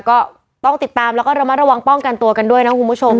ก็ต้องติดตามแล้วก็ระมัดระวังป้องกันตัวกันด้วยนะคุณผู้ชม